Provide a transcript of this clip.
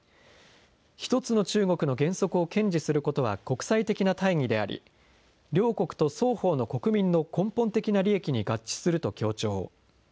１つの中国の原則を堅持することは国際的な大義であり、両国と双方の国民の根本的な利益に合致すると強調。